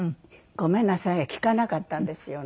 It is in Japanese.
ごめんなさいが利かなかったんですよね。